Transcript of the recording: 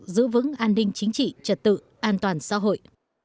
giữ vững an ninh chính trị trật tự an toàn xã hội